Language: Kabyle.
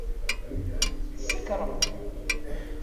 Tsekṛemt!